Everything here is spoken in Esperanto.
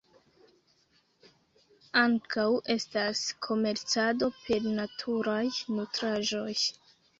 Ankaŭ estas komercado per naturaj nutraĵoj.